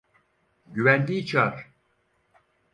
Güvenliği çağır.